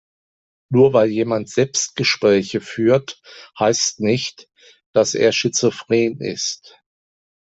Nur weil jemand Selbstgespräche führt, heißt nicht, dass er schizophren ist.